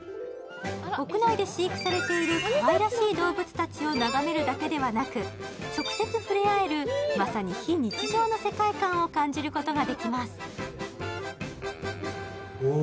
屋内飼育されているかわいらしい動物たちを眺めるだけでなく、直接触れあえる非日常の世界観を感じることができます。